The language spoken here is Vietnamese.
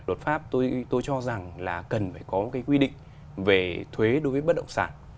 luật pháp tôi cho rằng là cần phải có cái quy định về thuế đối với bất động sản